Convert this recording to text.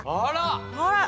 あら！